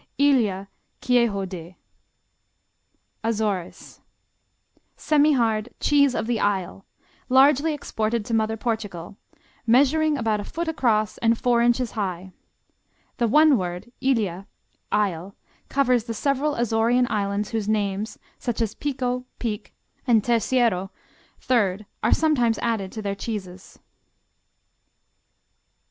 Ilha, Queijo de Azores Semihard "Cheese of the Isle," largely exported to mother Portugal, measuring about a foot across and four inches high. The one word, Ilha, Isle, covers the several Azorian Islands whose names, such as Pico, Peak, and Terceiro, Third, are sometimes added to their cheeses.